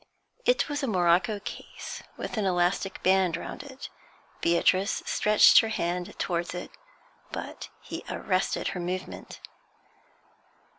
It was a morocco case, with an elastic band round it. Beatrice stretched her hand towards it, but he arrested her movement.